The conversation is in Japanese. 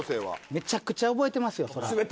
めちゃくちゃ覚えてますよ。